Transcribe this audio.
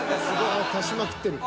足しまくってる。